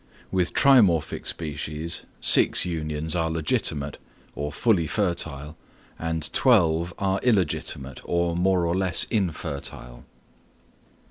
With trimorphic species six unions are legitimate, or fully fertile, and twelve are illegitimate, or more or less infertile.